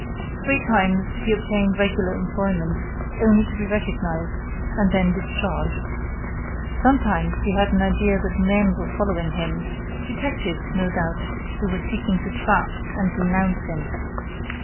Three times, he obtained regular employment, only to be recognized and then discharged. Sometimes, he had an idea that men were following him detectives, no doubt, who were seeking to trap and denounce him.